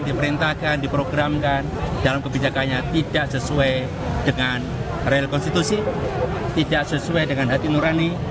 diperintahkan diprogramkan dalam kebijakannya tidak sesuai dengan real konstitusi tidak sesuai dengan hati nurani